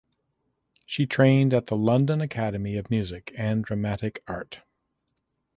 She trained at the London Academy of Music and Dramatic Art.